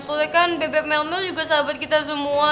soalnya kan bebek mel mel juga sahabat kita semua